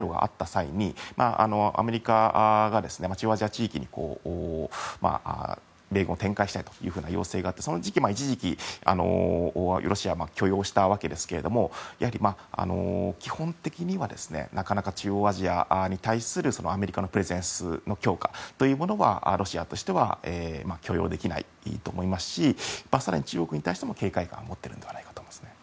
２００１年に９・１１の同時多発テロがあった際にアメリカが中央アジア地域に米軍を展開したいという要請があってその時期、一時期ロシアは許容したわけですけどもやはり基本的にはなかなか中央アジアに対するアメリカのプレゼンスの強化というのはロシアとしては許容できないと思いますし更に、中国に対しても警戒感を持っていると思います。